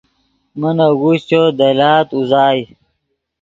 من اگوشچو دے لاد اوزائی